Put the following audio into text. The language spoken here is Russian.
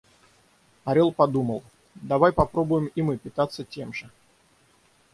Орел подумал: давай попробуем и мы питаться тем же.